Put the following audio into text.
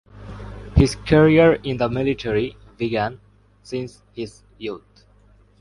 His career in the military began since his youth.